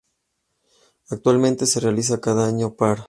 Actualmente se realiza cada año par.